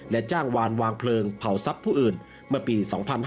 และจ้างวานวางเพลิงเผาทรัพย์ผู้อื่นเมื่อปี๒๕๕๙